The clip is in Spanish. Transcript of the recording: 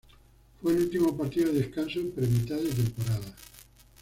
Fue el último partido de descanso pre-mitad de temporada.